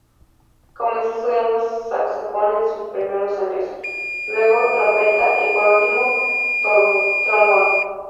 Comenzó estudiando saxofón en sus primeros años, luego trompeta y por último trombón.